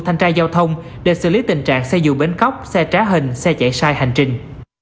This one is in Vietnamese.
thanh tra giao thông để xử lý tình trạng xe dù bến cóc xe trá hình xe chạy sai hành trình